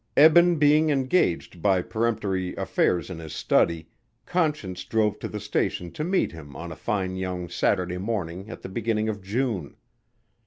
Eben being engaged by peremptory affairs in his study, Conscience drove to the station to meet him on a fine young Saturday morning at the beginning of June.